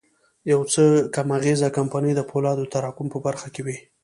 يو څو کم اغېزه کمپنۍ د پولادو د تراکم په برخه کې وې.